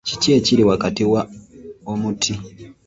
Kiki ekiri wakati wa omuti?